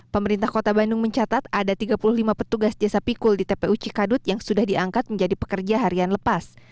pemerintah kota bandung mencatat ada tiga puluh lima petugas jasa pikul di tpu cikadut yang sudah diangkat menjadi pekerja harian lepas